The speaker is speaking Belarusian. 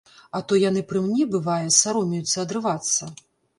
А то яны пры мне, бывае, саромеюцца адрывацца.